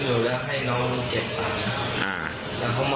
อืม